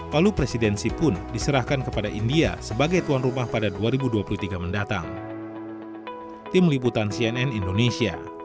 lalu presidensi pun diserahkan kepada india sebagai tuan rumah pada dua ribu dua puluh tiga mendatang